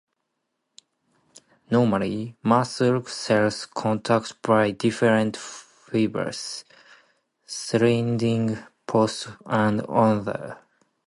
Normally, muscle cells contract by different fibers sliding past one another.